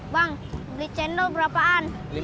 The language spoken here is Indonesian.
bang beli cendol berapaan